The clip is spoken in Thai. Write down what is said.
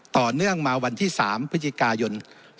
ต่อเนื่องมาวันที่๓พฤศจิกายน๒๕๖